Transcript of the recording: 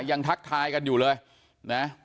ทักทายกันอยู่เลยนะ